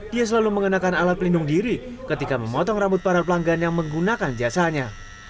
dia selalu mengenakan alat pelindung diri ketika memotong rambut para pelanggan yang menggunakan jasanya